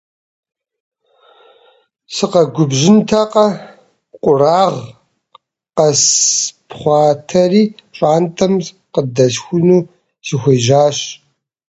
Сыкъэгубжьынтэкъэ, къурагъ къэспхъуатэри, пщӀантӀэм къыдэсхуну сыхуежьащ.